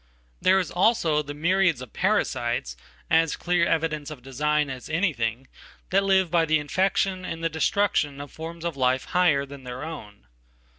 There, is also the myriads of parasites, as clear evidence ofdesign as an anything, that live by the infection and thedestruction of forms of life "higher" than their own.